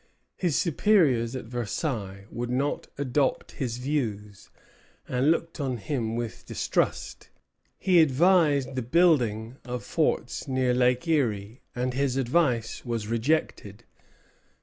His superiors at Versailles would not adopt his views, and looked on him with distrust. He advised the building of forts near Lake Erie, and his advice was rejected.